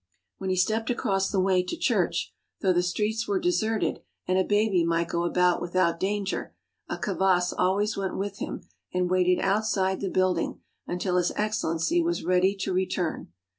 When he stepped across the way to church, though the streets were deserted and a baby might go about without danger, a kavass always went with him and waited outside the building until His Excellency was ready to return.